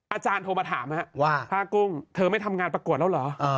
อาจารย์โทรมาถามว่าผ้ากุ้งเธอไม่ทำงานประกวดแล้วเหรอ